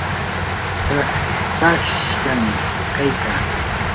saqsashqam kaykaa.